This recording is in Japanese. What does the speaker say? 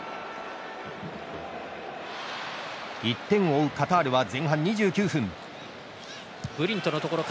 １点を追うカタールは前半２９分。